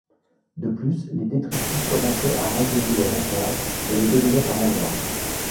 De plus, les détritus commençaient à remblayer le rempart et le dominaient par endroits.